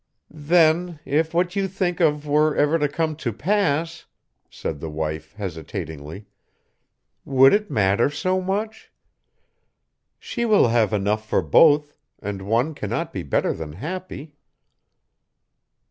"Then, if what you think of were ever to come to pass," said the wife, hesitatingly, "would it matter so much? She will have enough for both, and one cannot be better than happy."